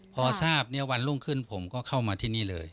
พอทราบวันรุ่งขึ้นผมก็เข้ามาที่นี่เลย